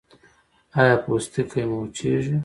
ایا پوستکی مو وچیږي؟